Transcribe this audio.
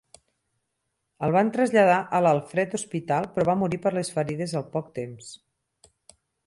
El van traslladar a l'Alfred Hospital però va morir per les ferides al poc temps.